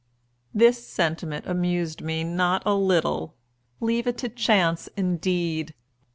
This sentiment amused me not a little. Leave it to chance indeed!